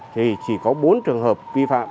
thì chỉ có bốn trường hợp vi phạm